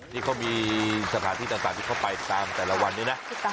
นี่เขามีสถานที่ต่างที่เขาไปตามแต่ละวันนี้นะ